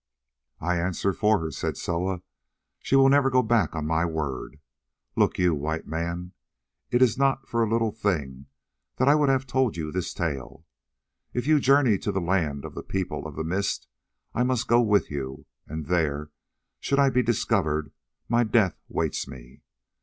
"I answer for her," said Soa, "she will never go back upon my word. Look you, White Man, it is not for a little thing that I would have told you this tale. If you journey to the land of the People of the Mist, I must go with you, and there, should I be discovered, my death waits me.